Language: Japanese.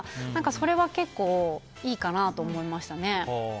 それは結構いいかなと思いましたね。